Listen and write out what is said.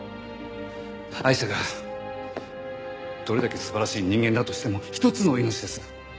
アイシャがどれだけ素晴らしい人間だとしてもひとつの命です。